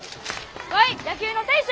ワイ野球の選手！